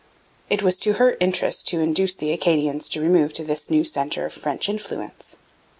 It was to her interest to induce the Acadians to remove to this new centre of French influence.